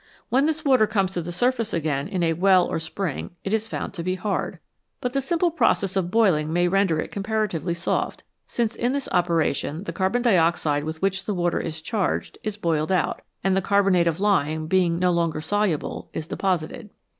When this water comes to the surface again in a well or spring it is found to be hard. But the simple process of boiling may render it comparatively soft, since in this operation the carbon dioxide with which the water is charged is boiled out, and the carbonate of lime, being no longer soluble, is deposited.